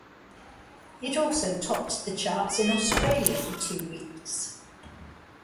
It also topped the charts in Australia for two weeks.